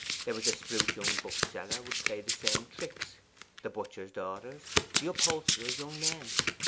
There was the spruce young bookseller would play the same tricks; the butcher's daughters; the upholsterer's young men.